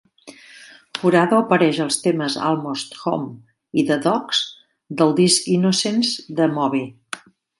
Jurado apareix als temes "Almost Home" i "The Dogs" del disc "Innocents" de Moby.